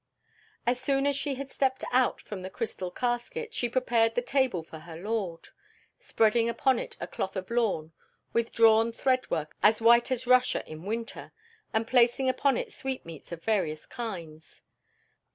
As soon as she had stepped out from the crystal casket, she prepared the table for her lord, spreading upon it a cloth of lawn with drawn thread work as white as Russia in winter, and placing upon it sweetmeats of various kinds.